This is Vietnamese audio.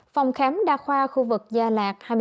phòng khám đa khoa khu vực gia lạc